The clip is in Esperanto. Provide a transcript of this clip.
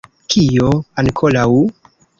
Kio ankoraŭ?